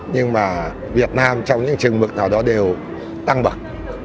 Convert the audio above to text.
nhưng mà việt nam trong những trường mực nào đó đều tăng bậc